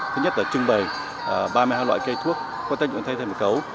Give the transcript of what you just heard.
thứ nhất là trưng bày ba mươi hai loại cây thuốc có tác dụng thay thế mất gấu